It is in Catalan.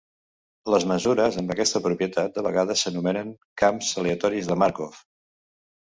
Les mesures amb aquesta propietat de vegades s'anomenen camps aleatoris de Markov.